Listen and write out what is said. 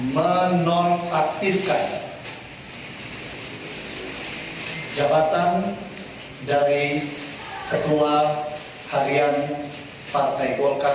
menonaktifkan jabatan dari ketua harian partai golkar